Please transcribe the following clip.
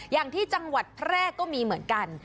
อย่างที่จังหวัดแพร่ก็มีเหมือนกัน